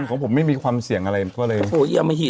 อือของผมไม่มีความเสี่ยงอะไรก็เลยโอ้ยยอมหิต